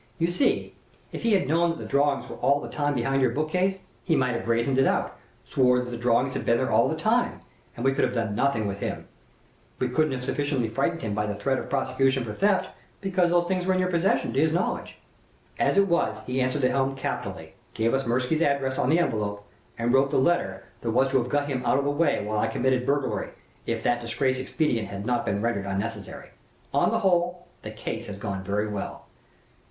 You see, if he had known that the drawings were all the time behind your book case, he might have brazened it out, sworn that the drawings had been there all the time, and we could have done nothing with him. We couldn't have sufficiently frightened him by a threat of prosecution for theft, because there the things were in your possession, to his knowledge. "As it was he answered the helm capitally: gave us Mirsky's address on the envelope, and wrote the letter that was to have got him out of the way while I committed burglary, if that disgraceful expedient had not been rendered unnecessary. On the whole, the case has gone very well."